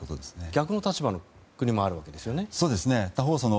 逆の立場の国もあるわけですよね。